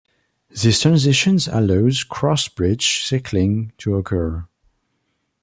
This transition allows cross bridge cycling to occur.